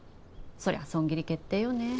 そりゃ損切り決定よね